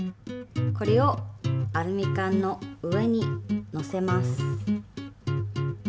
これをアルミ缶の上にのせます。